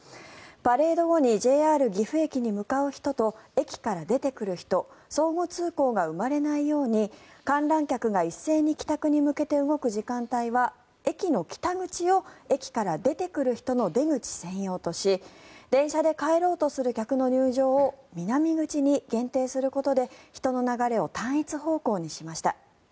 パレード後にＪＲ岐阜駅に向かう人と駅から出てくる人相互通行が生まれないように観覧客が一斉に帰宅に向けて動く時間帯は駅の北口を駅から出てくる人の出口専用とし電車で帰ろうとする人の入場を南口に限定することで人の流れを単一方向にしました。